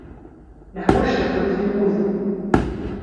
Neḥwaj tafrut i wudi.